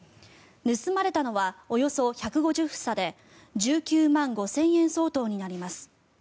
盗まれたのはおよそ１５０房で１９万５０００円相当になります。